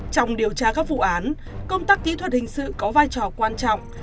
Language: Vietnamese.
trong điều tra các vụ án công tác kỹ thuật hình sự có vai trò quan trọng